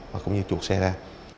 và cũng như chuột xe ra